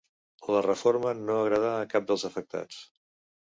La reforma no agrada a cap dels afectats.